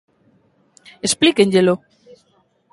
¡Explíquenllelo!